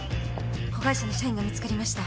子会社の社員が見つかりました。